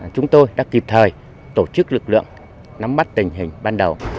chúng tôi đã kịp thời tổ chức lực lượng nắm mắt tình hình ban đầu